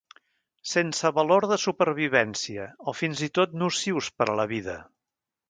Sense valor de supervivència o fins i tot nocius per a la vida.